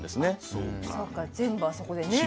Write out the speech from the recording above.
そうか全部あそこでね。